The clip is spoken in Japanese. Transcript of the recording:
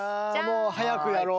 もう早くやろう。